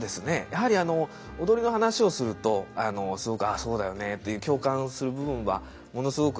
やはり踊りの話をするとすごく「ああそうだよね」って共感する部分はものすごくたくさんございまして。